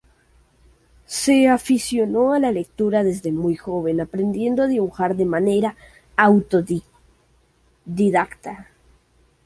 Se aficionó a la lectura desde muy joven, aprendiendo a dibujar de manera autodidacta.